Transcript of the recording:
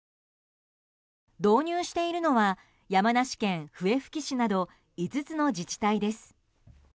導入しているのは山梨県笛吹市など５つの自治体です。